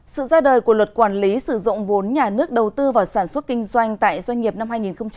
sự ra đời của luật quản lý sử dụng vốn nhà nước đầu tư vào sản xuất kinh doanh tại doanh nghiệp năm hai nghìn một mươi bảy